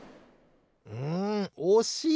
んおしい！